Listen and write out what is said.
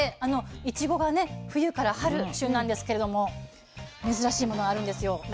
いちごがね冬から春旬なんですけれども珍しいものあるんですよ。